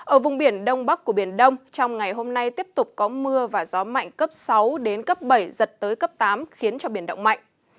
ở vùng biển đông bắc của biển đông trong ngày hôm nay tiếp tục có mưa và gió mạnh cấp sáu đến cấp bảy giật tới cấp tám khiến cho biển động mạnh